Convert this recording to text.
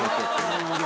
なるほど。